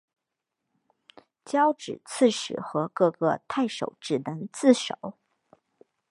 交址刺史和各个太守只能自守。